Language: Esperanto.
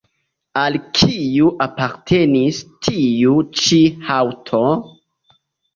Al kiu apartenas tiu ĉi haŭto?